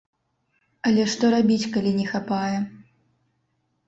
Але што рабіць, калі не хапае?